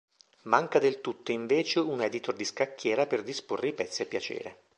Manca del tutto invece un editor di scacchiera per disporre i pezzi a piacere.